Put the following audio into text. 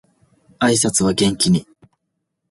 挨拶は元気に